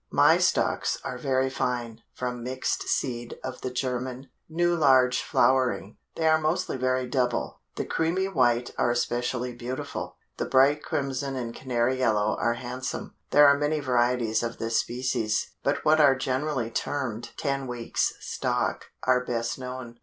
My Stocks are very fine, from mixed seed of the German, new large flowering. They are mostly very double. The creamy white are especially beautiful. The bright crimson and canary yellow are handsome. There are many varieties of this species, but what are generally termed Ten weeks Stock are best known.